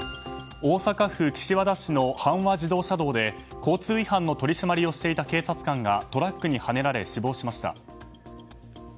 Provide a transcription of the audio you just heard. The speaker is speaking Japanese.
大阪府岸和田市の阪和自動車道で交通違反の取り締まりをしていた警察官がトラックにはねられ死亡しました。